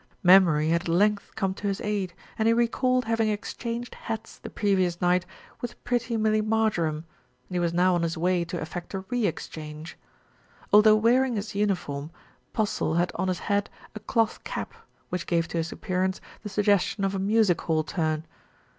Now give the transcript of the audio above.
Memory had at length come to his aid, and he re called having exchanged hats the previous night with pretty Millie Marjoram, and he was now on his way to effect a re exchange. Although wearing his uniform, Postle had on his head a cloth cap, which gave to his appearance the sug gestion of a music hall turn.